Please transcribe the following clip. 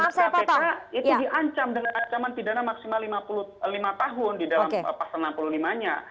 kalau undang undang kpk itu diancam dengan ancaman pidana maksimal lima tahun di dalam pasal enam puluh lima nya